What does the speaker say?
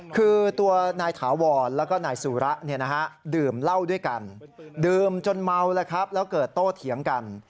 คือตัวนายถาวรแล้วก็นายสุระดื่มเหล้าด้วยกันดื่มจนเมาแล้วครับแล้วเกิดโตเถียงกัน